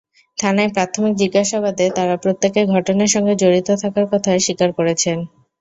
থানায় প্রাথমিক জিজ্ঞাসাবাদে তাঁরা প্রত্যেকে ঘটনার সঙ্গে জড়িত থাকার কথা স্বীকার করেছেন।